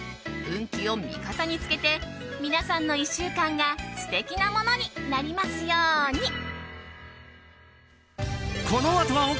運気を味方につけて皆さんの１週間が素敵なものになりますように。